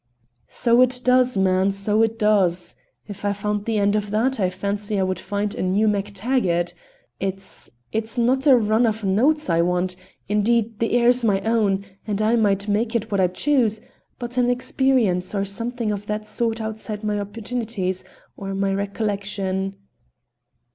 "So it does, man, so it does! If I found the end of that, I fancy I would find a new MacTaggart. It's it's it's not a run of notes I want indeed the air's my own, and I might make it what I chose but an experience or something of that sort outside my opportunities, or my recollection."